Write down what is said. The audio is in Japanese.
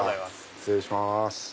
失礼します。